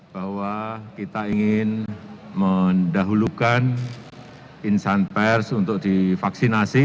bahwa kita ingin mendahulukan insan pers untuk divaksinasi